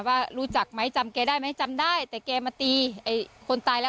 ว่ารู้จักไหมจำแกได้ไหมจำได้แต่แกมาตีไอ้คนตายแล้ว